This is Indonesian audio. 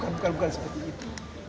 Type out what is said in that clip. bukan bukan seperti itu